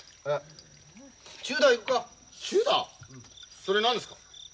それ何ですか？